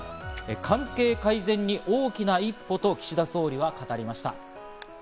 関係改善に大きな一歩と、岸田総理は語りました。